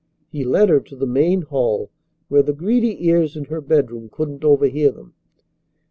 He led her to the main hall where the greedy ears in her bedroom couldn't overhear them.